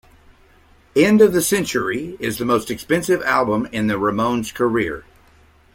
"End of the Century" is the most expensive album in the Ramones' career.